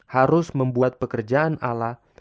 harus membuat pekerjaan allah